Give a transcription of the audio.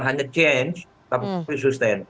hanya change tapi sustain